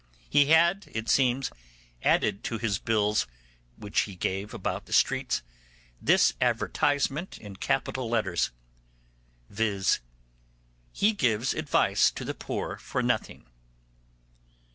He had, it seems, added to his bills, which he gave about the streets, this advertisement in capital letters, viz., 'He gives advice to the poor for nothing.